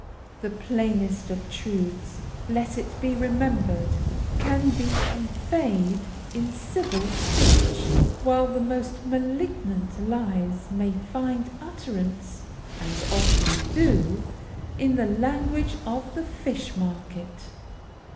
The plainest of truths, let it be remembered, can be conveyed in civil speech, while the most malignant lies may find utterance, and often do, in the language of the fishmarket.